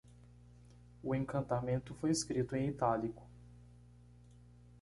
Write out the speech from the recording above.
O encantamento foi escrito em itálico.